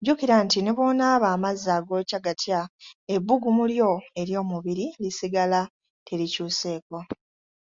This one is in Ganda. Jjukira nti ne bw’onaaba amazzi agookya gatya, ebbugumu lyo ery’omubiri lisigala terikyuseeko.